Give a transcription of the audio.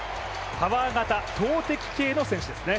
パワー型、投てき系の選手ですね。